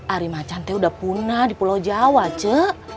ari macan teh udah punah di pulau jawa ce